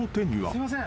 すいません。